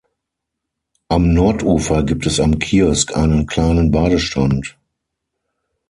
Am Nordufer gibt es am Kiosk einen kleinen Badestrand.